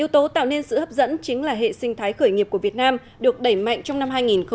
yếu tố tạo nên sự hấp dẫn chính là hệ sinh thái khởi nghiệp của việt nam được đẩy mạnh trong năm hai nghìn một mươi chín